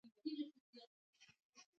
بهرنیو سوداګرو دلته مالونه اخیستل.